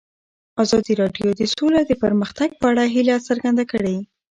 ازادي راډیو د سوله د پرمختګ په اړه هیله څرګنده کړې.